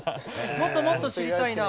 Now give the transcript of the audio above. もっともっと知りたいな。